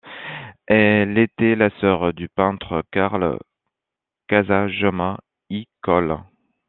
Elle était la sœur du peintre Carles Casagemas i Coll.